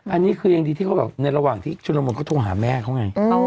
อันนี้คือยังดีที่เขาแบบในระหว่างที่ชุดละมุนเขาโทรหาแม่เขาไง